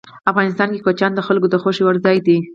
افغانستان کې کوچیان د خلکو د خوښې وړ ځای دی.